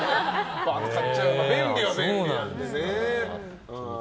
便利は便利なんでね。